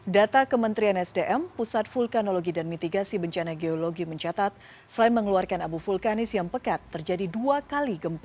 data kementerian sdm pusat vulkanologi dan mitigasi bencana geologi mencatat selain mengeluarkan abu vulkanis yang pekat terjadi dua kali gempa